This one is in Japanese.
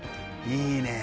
いいねえ！